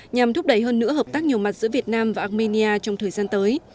nhằm thúc đẩy hơn nữa hợp tác nhiều mặt giữa việt nam và armenia trong thời gian tới